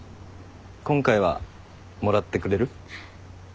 今回はもらってくれる？